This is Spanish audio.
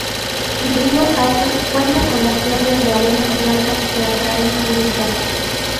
Río Hato cuenta con playas de arenas blancas que atraen turistas.